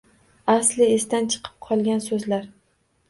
Asli «esdan chiqib qolgan» so‘zlar